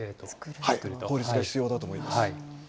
法律が必要だと思います。